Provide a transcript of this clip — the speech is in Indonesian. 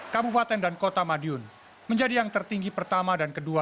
kabupaten dan kota madiun menjadi yang tertinggi pertama dan kedua